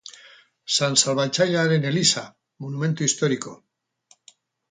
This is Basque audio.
San Salbatzailearen eliza, monumentu historiko.